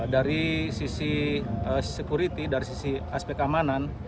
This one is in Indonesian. dari sisi security dari sisi aspek keamanan